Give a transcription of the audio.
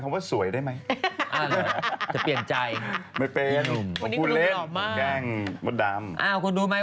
กลัวว่าผมจะต้องไปพูดให้ปากคำกับตำรวจยังไง